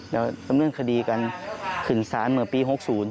แล้วทำเรื่องคดีกันขึ้นสารเหมือนปี๖๐